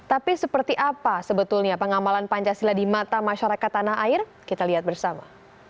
tapi seperti apa sebetulnya pengamalan pancasila di mata masyarakat tanah air kita lihat bersama